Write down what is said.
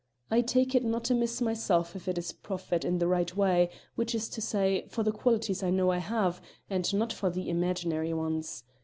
"I take it not amiss myself if it's proffered in the right way which is to say, for the qualities I know I have, and not for the imaginary ones.